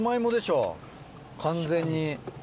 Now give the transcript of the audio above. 完全に。